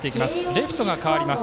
レフトが代わります